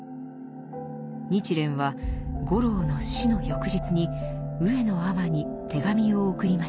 日蓮は五郎の死の翌日に上野尼に手紙を送りました。